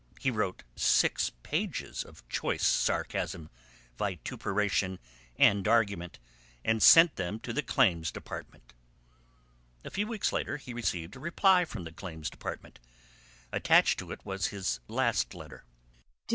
He wrote six pages of choice sarcasm, vituperation and argument, and sent them to the Claims Department. A few weeks later he received a reply from the Claims Department. Attached to it was his last letter. "Dr.